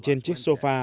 trên chiếc sofa